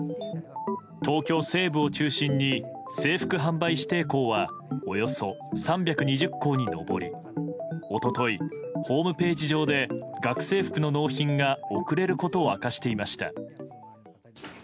東京西部を中心に制服販売指定校はおよそ３２０校に上り一昨日、ホームページ上で学生服の納品が遅れることを明かしていました。